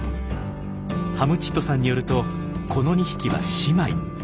ハムチットさんによるとこの２匹は姉妹。